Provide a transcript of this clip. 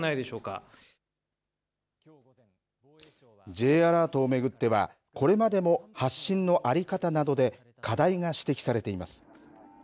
Ｊアラートを巡ってはこれまでも発信の在り方などで課題が指摘されています。